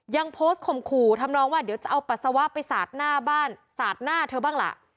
ยังโพสต์ข่มขู่ทำนองว่าเดี๋ยวจะเอาปัสสาวะไปสาดหน้าบ้านสาดหน้าเธอบ้างล่ะ